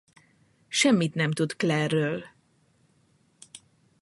Semmit nem tud Claire-ről.